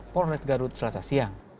polres garut selasa siang